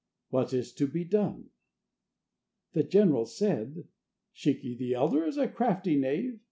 What is to be done?" The generals said: "Shiki the elder is a crafty knave.